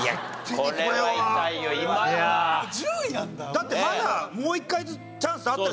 だってまだもう一回ずつチャンスあった。